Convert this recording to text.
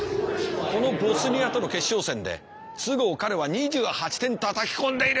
このボスニアとの決勝戦で都合彼は２８点たたき込んでいる！